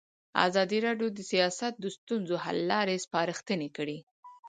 ازادي راډیو د سیاست د ستونزو حل لارې سپارښتنې کړي.